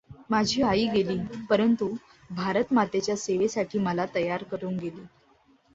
माझी आई गेली; परंतु भारतमातेच्या सेवेसाठी मला तयार करून गेली.